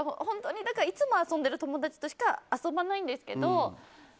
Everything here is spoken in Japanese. いつも遊んでる友達としか遊ばないんですけど。